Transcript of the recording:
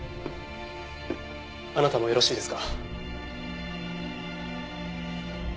あなたもよろしいですか？